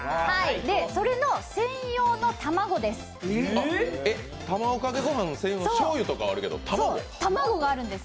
それの専用の卵です。